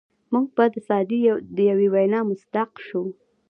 موږ به د سعدي د یوې وینا مصداق شو.